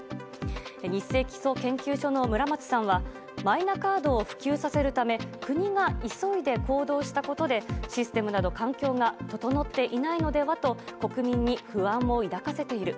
ニッセイ基礎研究所の村松さんはマイナカードを普及させるため国が急いで行動したことでシステムなど環境が整っていないのではと国民に不安を抱かせている。